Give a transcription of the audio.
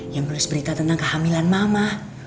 yang menulis berita tentang kehamilan mama